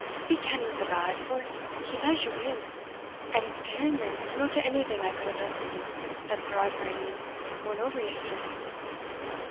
Be canny wi' the lad, for he loes ye weel, and it's to him, and no to anything I could have done for you, that Sir Arthur and you wan ower yestreen."